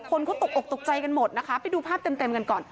คนเขาตกอกตกใจกันหมดนะคะไปดูภาพเต็มกันก่อน